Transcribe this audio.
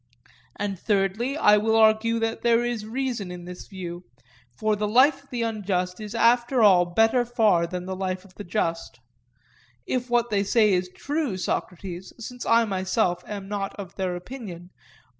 And thirdly, I will argue that there is reason in this view, for the life of the unjust is after all better far than the life of the just—if what they say is true, Socrates, since I myself am not of their opinion.